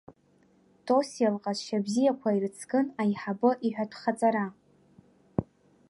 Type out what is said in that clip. Тосиа лҟазшьа бзиақәа ирыцкын аиҳабы иҳәатәхаҵара.